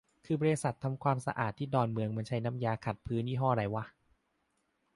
คือบริษัททำความสะอาดที่ดอนเมืองมันใช้น้ำยาขัดพื้นยี่ห้อไรวะ